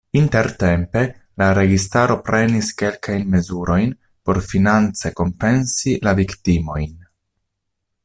Intertempe la registaro prenis kelkajn mezurojn por finance kompensi la viktimojn.